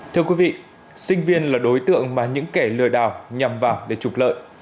thưa quý vị sinh viên là đối tượng mà những kẻ lừa đảo nhằm vào để trục lợi